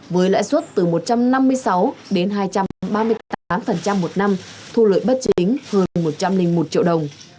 với lãi suất từ một trăm năm mươi sáu đến hai trăm ba mươi tám một năm thu lợi bất chính hơn một trăm linh một triệu đồng